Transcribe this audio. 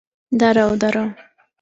দাড়াও, দাড়াও।